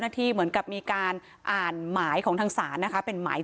อันนี้คือหมายของพี่นนท์นะครับ